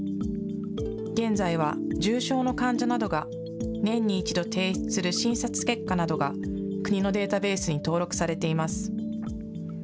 現在は重症の患者などが年に１度提出する診察結果などが、国のデータベースに登録されています。